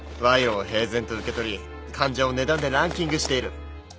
賄賂を平然と受け取り患者を値段でランキングしている。